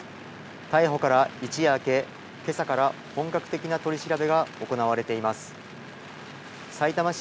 逮捕から一夜明け、けさから本格的な取り調べが行われています。